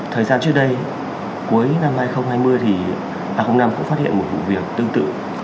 thời gian trước đây cuối năm hai nghìn hai mươi thì a năm cũng phát hiện một vụ việc tương tự